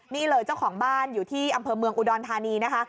นี่เลยเจ้าของบ้านอยู่ที่อำเภอเมืองอุดรธานีนะคะ